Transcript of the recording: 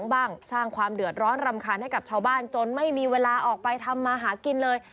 บ้างสร้างความเดือดร้อนรำคาญให้กับชาวบ้านจนไม่มีเวลาออกไปทำมาหากินเลย